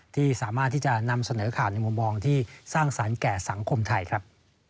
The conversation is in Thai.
ที่สามารถที่จะนำเสนอข่าวในมุมมองที่สร้างสรรค์แก่สังคมไทยครับ